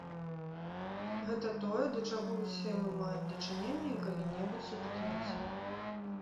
Гэта тое, да чаго ўсе мы маем дачыненне і калі-небудзь сутыкнемся.